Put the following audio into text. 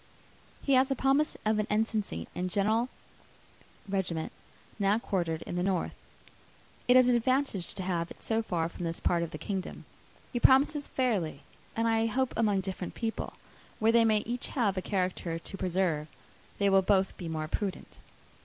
He has the promise of an ensigncy in General 's regiment, now quartered in the north. It is an advantage to have it so far from this part of the kingdom. He promises fairly; and I hope among different people, where they may each have a character to preserve, they will both be more prudent.